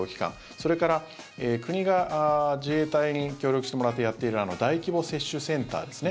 それから、国が自衛隊に協力してもらってやっている大規模接種センターですね。